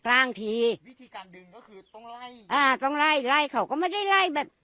อ่าต้องไล่ไล่เขาก็ไม่ได้ไล่แบบ